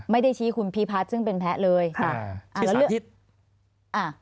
ไม่ได้ชี้คุณพิพัฒน์ซึ่งเป็นแพ้เลยค่ะอ่า